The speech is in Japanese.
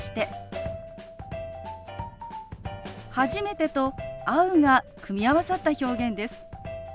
「初めて」と「会う」が組み合わさった表現です。